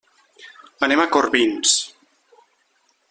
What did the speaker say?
Anem a Corbins.